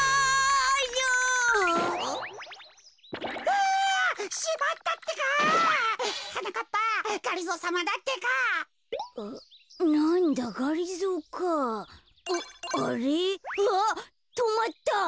わっとまった。